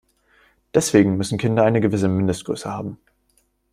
Deswegen müssen Kinder eine gewisse Mindestgröße haben.